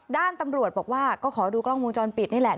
ด้านตำรวจบอกว่าก็ขอดูกล้องวงจรปิดนี่แหละ